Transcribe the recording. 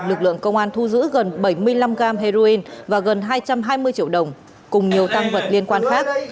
lực lượng công an thu giữ gần bảy mươi năm gram heroin và gần hai trăm hai mươi triệu đồng cùng nhiều tăng vật liên quan khác